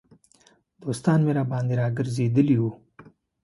دوستان مې راباندې را ګرځېدلي وو.